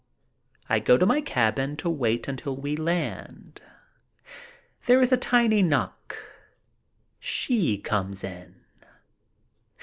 I go to my cabin to wait until we can land. There is a tiny knock. She comes in.